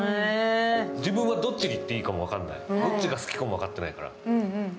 自分はどっちにいってもいいか分からない、どっちが好きかも分かってないから。